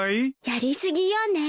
やりすぎよね。